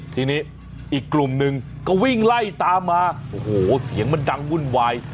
ทีนี้อีกกลุ่มหนึ่งก็วิ่งไล่ตามมาโอ้โหเสียงมันดังวุ่นวาย